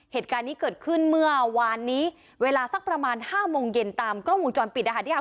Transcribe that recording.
เหตุการณ์นี้เกิดขึ้นเมื่อวานนี้เวลาสักประมาณ๕โมงเย็นตามกล้องวงจรปิดนะคะ